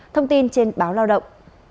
thông tin trên báo lao động